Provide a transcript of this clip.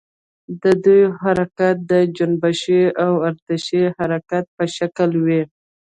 د دوی حرکت د جنبشي او ارتعاشي حرکت په شکل وي.